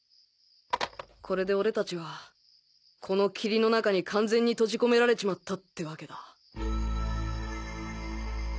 これで俺達はこの霧の中に完全に閉じ込められちまったってわけだ。